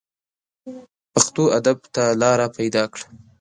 پښتو ادب ته لاره پیدا کړه